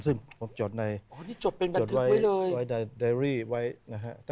ซึ่งผมจดไปจดว่าไวท์